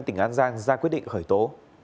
cơ quan tỉnh an giang ra quyết định khởi tố